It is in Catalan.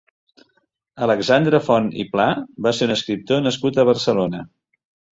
Alexandre Font i Pla va ser un escriptor nascut a Barcelona.